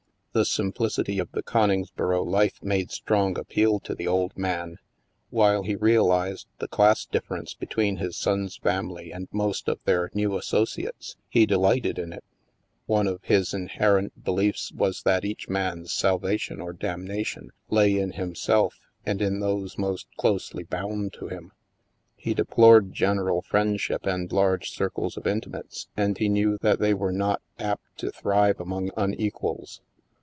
The simplicity of the Coningsboro life made strong appeal to the old man. While he realized the class difference between his son's family and most of their new associates, he delighted in it One of his inherent beliefs was that each man's sal vation or damnation lay in himself and in those most STILL WATERS 55 closely bound to him. He deplored general friend ship and large circles of intimates; and he knew that they were not apt to thrive among unequals.